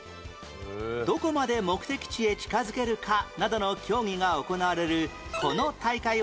どこまで目的地へ近づけるかなどの競技が行われるこの大会は？